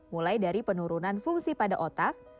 mulai dari penurunan fungsi pada otak